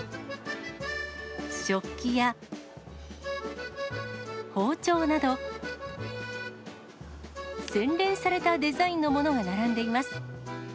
食器や、包丁など、洗練されたデザインのものが並んでいます。